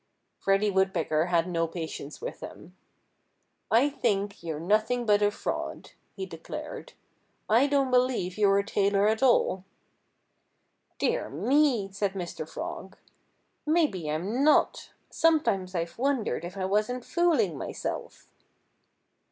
Reddy Woodpecker had no patience with him. "I think you're nothing but a fraud," he declared. "I don't believe you're a tailor at all." "Dear me!" said Mr. Frog. "Maybe I'm not. Sometimes I've wondered if I wasn't fooling myself."